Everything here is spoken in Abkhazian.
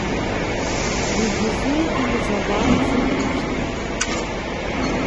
Дегьызеиӷьымыз ауаа изынаишьҭит.